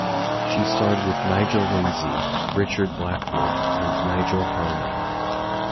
She starred with Nigel Lindsay, Richard Blackwood and Nigel Harman.